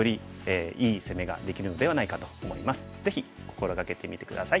ぜひ心掛けてみて下さい。